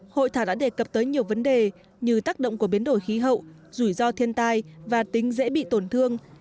hội thảo đã đề cập tới nhiều vấn đề như tác động của biến đổi khí hậu rủi ro thiên tai và tính dễ bị tổn thương